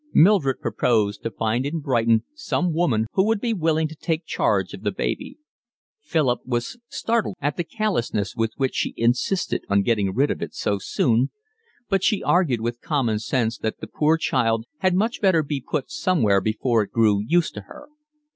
Mildred proposed to find in Brighton some woman who would be willing to take charge of the baby. Philip was startled at the callousness with which she insisted on getting rid of it so soon, but she argued with common sense that the poor child had much better be put somewhere before it grew used to her.